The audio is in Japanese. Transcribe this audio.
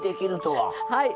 はい。